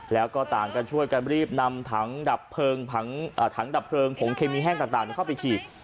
แล้วก็ต่างกันช่วยกันรีบนำถังดับเพลิงถังดับเพลิงผงเคมีแห้งต่างเข้าไปฉีด